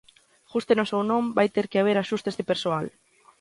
Gústenos ou non vai ter que haber axustes de persoal.